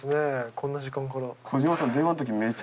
こんな時間から。